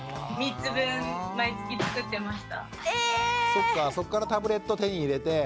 ⁉そっかそっからタブレット手に入れて。